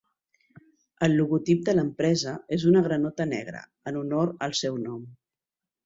El logotip de l'empresa és una granota negra, en honor al seu nom.